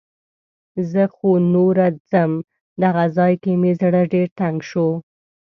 زه خو نوره څم. دغه ځای کې مې زړه ډېر تنګ شو.